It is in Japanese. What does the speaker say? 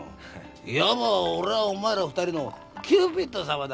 いわば俺はお前ら二人のキューピッド様だなあ。